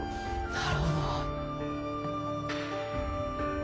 なるほど。